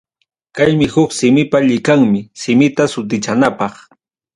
Kaymi huk simipa llikanmi, simita sutichanapaq.